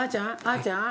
あーちゃん？